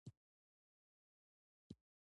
سیلابونه د افغانستان د سیلګرۍ یوه مهمه برخه ده.